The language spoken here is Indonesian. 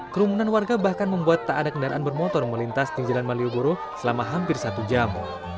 kerumunan warga bahkan membuat tak ada kendaraan bermotor melintas di jalan malioboro selama hampir satu jam